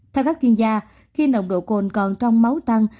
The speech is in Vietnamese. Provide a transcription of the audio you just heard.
theo các chuyên gia khi nồng độ cồn còn trong máu tăng